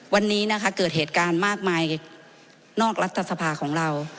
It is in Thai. วันนี้นะคะเกิดเหตุการณ์มากมายนอกรัฐสภาของเรา